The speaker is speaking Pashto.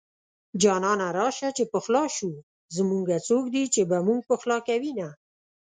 جانانه راشه چې پخلا شو زمونږه څوک دي چې به مونږ پخلا کوينه